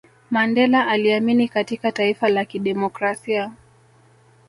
mandela aliamini katika taifa la kidemokrasia